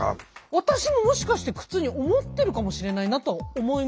私ももしかして苦痛に思ってるかもしれないなと思いました。